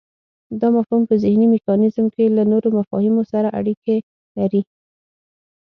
دا مفهوم په ذهني میکانیزم کې له نورو مفاهیمو سره اړیکی لري